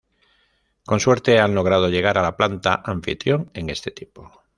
Con suerte, han logrado llegar a la planta anfitrión en este tiempo.